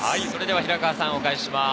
平川さん、お返しします。